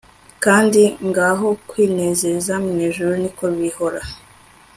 kandi ngaho kwinezeza mwijuru niko bihora